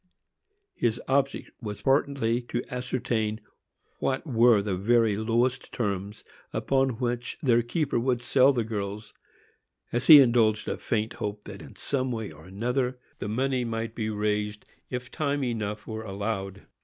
His object was partly to ascertain what were the very lowest terms upon which their keeper would sell the girls, as he indulged a faint hope that in some way or other the money might be raised, if time enough were allowed.